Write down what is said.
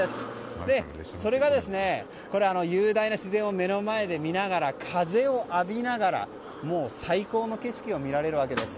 それが雄大な自然を目の前で見ながら風を浴びながら最高の景色を見られるわけです。